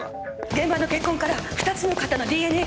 現場の血痕から２つの型のＤＮＡが出たんです。